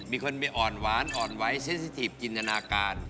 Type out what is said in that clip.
มีคนมีอ่อนหวานอ่อนไหวเซ็นสิทีฟจินตนาการ